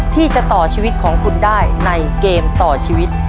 ที่จะต่อชีวิตของคุณได้ในเกมต่อชีวิต